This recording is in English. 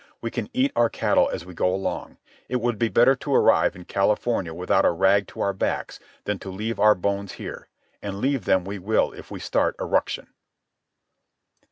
We can eat our cattle as we go along. It would be better to arrive in California without a rag to our backs than to leave our bones here; and leave them we will if we start a ruction."